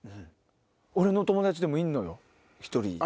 俺の友達でもいんのよ１人。